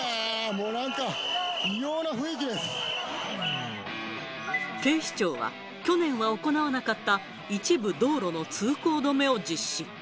もうなんか、警視庁は、去年は行わなかった一部道路の通行止めを実施。